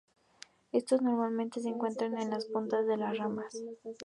Estos normalmente se encuentran en las puntas de las ramas.